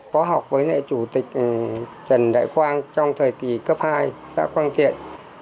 có học với chủ tịch trần đại quang trong thời kỳ cấp hai xã quang kiệm